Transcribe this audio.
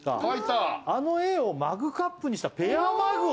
あの絵をマグカップにしたペアマグを。